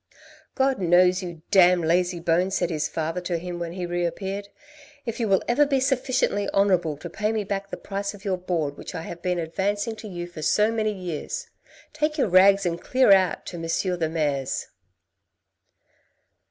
" God knows, you damned lazy bones," said his father to him when he re appeared, "if you will ever be sufficiently honourable to pay me back the price of your board which I have been advancing to you for so many years. Take your rags and clear out to M. the Mayor's."